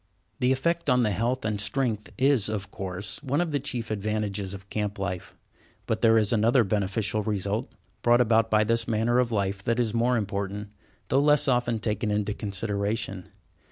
The effect on the health and strength is, of course, one of the chief advantages of camp life. But there is another beneficial result brought about by this manner of life that is more important, though less often taken into consideration.